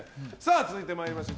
続いて参りましょう。